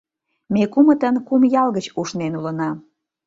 Ме кумытын кум ял гыч ушнен улына.